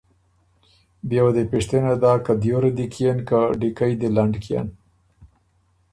بيې وه دی پِشتِنه داک که ”دیوره دی کيېن که ډیکئ دی لنډ کيېن“